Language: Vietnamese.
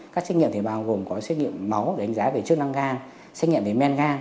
các xét nghiệm thì bao gồm có xét nghiệm máu đánh giá về chức năng gan xét nghiệm về men ga